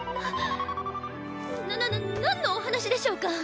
ななななんのお話でしょうか？